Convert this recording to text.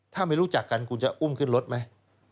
ถ้าไม่รู้จักกันคุณจะอุ้มขึ้นรถไหม